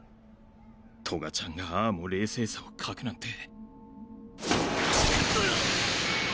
トガちゃんがああも冷静さを欠くなんて。うっ！